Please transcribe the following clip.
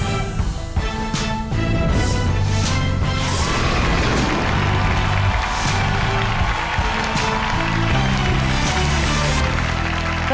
สวัสดีครับ